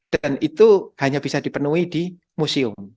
dan itu hanya bisa dipenuhi di museum